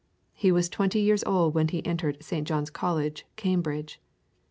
He was twenty years old when he entered St. John's College, Cambridge.